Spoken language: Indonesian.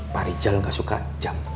pak rijal gak suka jam